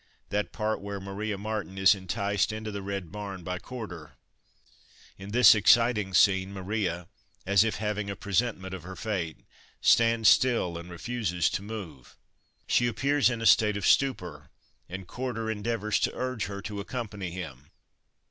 That part where Maria Martin is enticed into the Red Barn by Corder. In this exciting scene, Maria, as if having a presentiment of her fate, stands still and refuses to move. She appears in a state of stupor and Corder endeavours to urge her to accompany him.